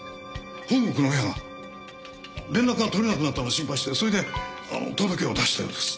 本国の親が連絡が取れなくなったのを心配してそれで届けを出したようです。